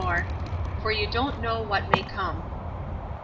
"FOR YOU DON'T KNOW WHAT MAY COME."